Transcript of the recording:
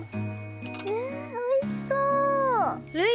うわあおいしそう！